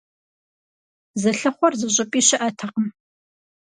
Зылъыхъуэр зыщӀыпӀи щыӀэтэкъым.